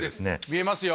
見えますよ。